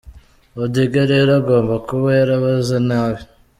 Odinga rero agomba kuba yarabaze nabi.